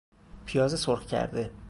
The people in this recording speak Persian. پیاز سرخ کرده